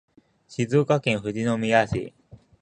静岡県富士宮市